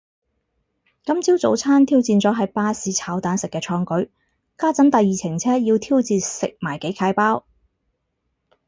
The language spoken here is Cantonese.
今朝早餐挑戰咗喺巴士炒蛋食嘅創舉，家陣第二程車要挑戰食埋幾楷包